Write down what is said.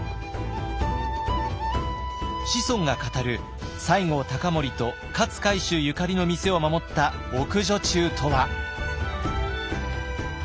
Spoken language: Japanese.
子孫が語る西郷隆盛と勝海舟ゆかりの店を守った奥女中とは。